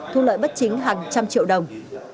thu lợi bất chính hàng trăm triệu đồng